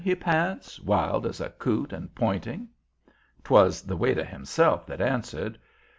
he pants, wild as a coot, and pointing. 'Twas the waiter himself that answered.